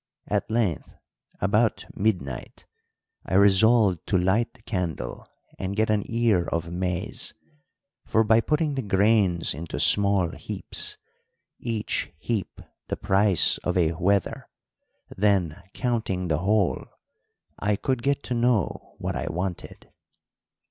At length, about midnight, I resolved to light the candle and get an ear of maize; for by putting the grains into small heaps, each heap the price of a wether, then counting the whole, I could get to know what I wanted.